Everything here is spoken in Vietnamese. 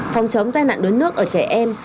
phòng chống tai nạn đối nước ở trẻ em